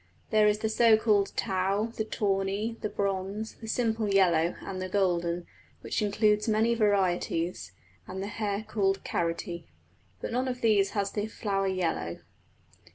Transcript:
There is the so called tow, the tawny, the bronze, the simple yellow, and the golden, which includes many varieties, and the hair called carroty. But none of these has the flower yellow.